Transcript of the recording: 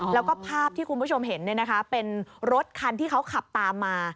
แล้วก็ภาพที่คุณผู้ชมเห็นเป็นรถคันที่เขาขับตามมา